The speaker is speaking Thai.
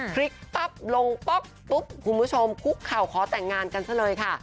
พลิกปั๊บลงป๊อกปุ๊บคุณผู้ชมคุกเข่าขอแต่งงานกันซะเลยค่ะ